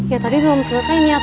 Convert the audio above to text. ya tapi belum selesai nih a